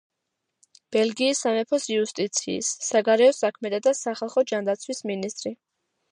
ბელგიის სამეფოს იუსტიციის, საგარეო საქმეთა და სახალხო ჯანდაცვის მინისტრი.